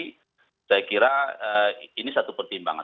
jadi saya kira ini satu pertimbangan